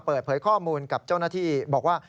เปิดเผยข้อมูลกับเจ้าหน้าที่บอกว่า